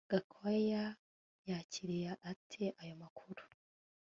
Gakwaya yakiriye ate ayo makuru